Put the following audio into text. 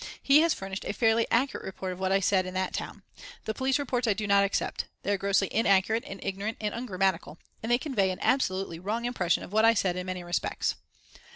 He has furnished a fairly accurate report of what I said in that town. The police reports I do not accept. They are grossly inaccurate and ignorant and ungrammatical, and they convey an absolutely wrong impression of what I said in many respects."